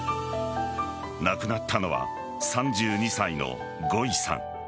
亡くなったのは３２歳のゴイさん。